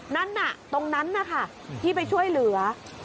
นั่นน่ะตรงนั้นนะคะที่ไปช่วยเหลือ